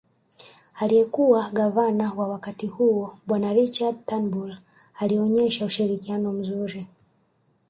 Aliyekuwa gavana wa wakati huo bwana Richard Turnbull alionyesha ushirikiano mzuri